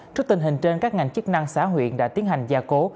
trước tình hình trên các ngành chức năng xã huyện đã tiến hành gia cố